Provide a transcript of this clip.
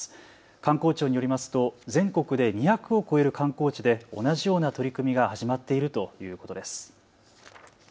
観光庁によりますと全国で２００を超える観光地で同じような取り組みが始まっているということです。